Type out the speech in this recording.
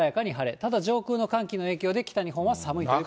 ただ上空の寒気の影響で、北日本は寒いという。